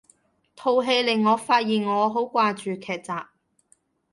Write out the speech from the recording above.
套戲令我發現我好掛住劇集